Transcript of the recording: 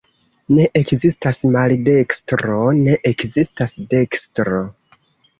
Ne ekzistas maldekstro, ne ekzistas dekstro.